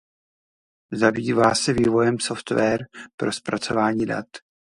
Zabývá se vývojem software pro zpracování dat.